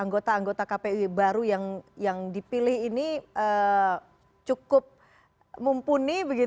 anggota anggota kpu baru yang dipilih ini cukup mumpuni